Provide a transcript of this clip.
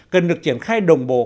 cần được triển khai đồng bộ